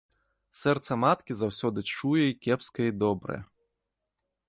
Сэрца маткі заўсёды чуе і кепскае і добрае.